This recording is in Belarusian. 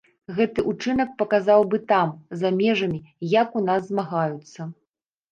Гэты ўчынак паказаў бы там, за межамі, як у нас змагаюцца.